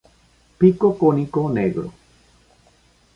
Pico cónico negro.